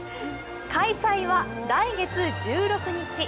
開催は来月１６日。